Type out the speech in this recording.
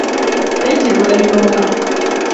Eyitibwa endongo.